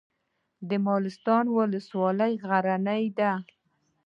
د مالستان ولسوالۍ غرنۍ ده